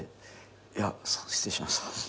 いや失礼しました。